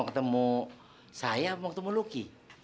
kamu saya mau ketemu luqiyah